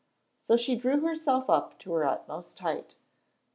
So she drew herself up to her utmost height.